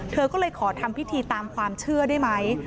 เธอก็เลยขอทำพิธีตามความเชื่อได้ไหม